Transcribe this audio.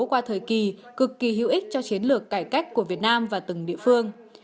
qua thời kỳ cực kỳ hữu ích cho chiến lược cải cách của việt nam và từng địa phương